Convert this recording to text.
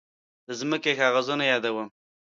د ځمکې کاغذونه يادوم.